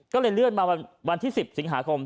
ก็เลยเลื่อนมาวันที่๑๐สิงหาคม